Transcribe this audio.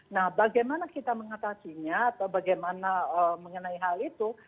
nah bagaimana kita mengatasinya atau bagaimana mengenai hal itu